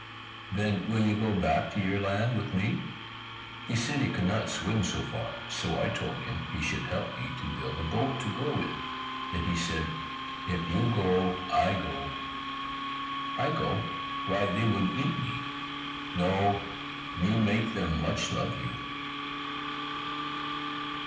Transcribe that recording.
"Then will you go back to your land with me?" He said he could not swim so far, so I told him he should help me to build a boat to go in. Then he said, "If you go, I go." "I go? why they would eat me!" "No, me make them much love you."